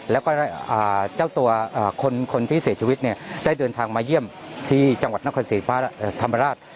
แล้วก็เจ้าตัวคนที่เสียชีวิตเนี่ยได้เดินทางมาเยี่ยมที่จังหวัดนครศรีธรรมราช